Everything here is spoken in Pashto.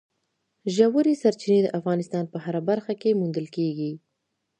ژورې سرچینې د افغانستان په هره برخه کې موندل کېږي.